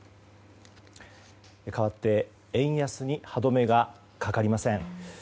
かわって、円安に歯止めがかかりません。